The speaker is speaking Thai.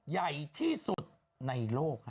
ใหญ่ที่สุดในโลกครับ